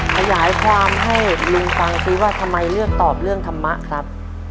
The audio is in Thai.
ขยายความให้ลุงฟังซิว่าทำไมเลือกตอบเรื่องธรรมะครับ